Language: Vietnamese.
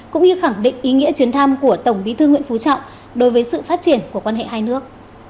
cũng như khẳng định ý nghĩa chuyến thăm của tổng bí thư nguyễn phú trọng đối với sự phát triển của quan hệ hai nước